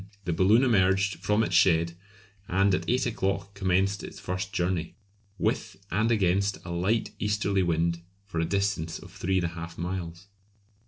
the balloon emerged from its shed, and at eight o'clock commenced its first journey, with and against a light easterly wind for a distance of three and a half miles.